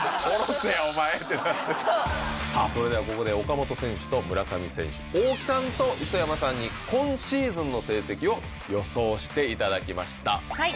おろせ、それではここで岡本選手と村上選手、大木さんと磯山さんに、今シーズンの成績を予想していただきました。